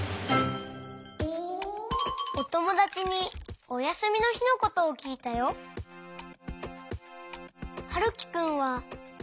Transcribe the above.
おともだちにおやすみのひのことをきいたよ。はるきくんはなにをしたの？